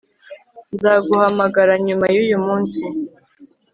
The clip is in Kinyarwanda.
Nzaguhamagara nyuma yuyu munsi